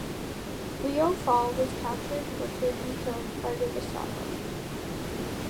Leo Fall was captured, tortured and killed by the Gestapo.